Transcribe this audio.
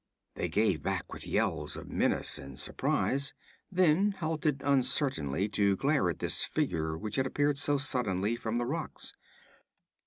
They gave back with yells of menace and surprize; then halted uncertainly to glare at this figure which had appeared so suddenly from the rocks.